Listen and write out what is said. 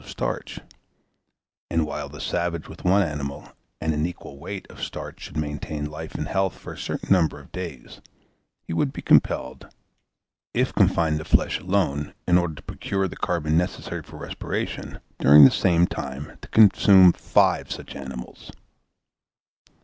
of starch, and while the savage with one animal and an equal weight of starch should maintain life and health for a certain number of days, he would be compelled, if confined to flesh alone, in order to procure the carbon necessary for respiration, during the same time, to consume five such animals.